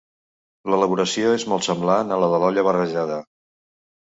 L'elaboració és molt semblant a la de l'olla barrejada.